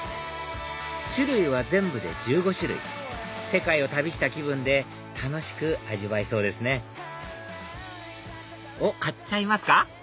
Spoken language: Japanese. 種類は全部で１５種類世界を旅した気分で楽しく味わえそうですねおっ買っちゃいますか？